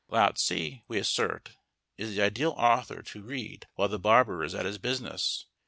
Lao Tse, we assert, is the ideal author to read while the barber is at his business.